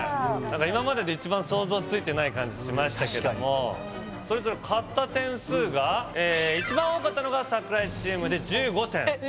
今までで一番想像ついてない感じしましたけどもそれぞれ買った点数がええ一番多かったのが櫻井チームで１５点えっ？